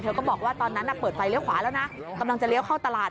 ก็บอกว่าตอนนั้นเปิดไฟเลี้ยขวาแล้วนะกำลังจะเลี้ยวเข้าตลาด